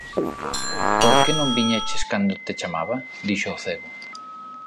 “Por que non viñeches cando te chamaba?” dixo o cego.